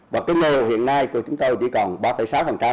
và cái nồi hiện nay của chúng tôi chỉ còn ba sáu thôi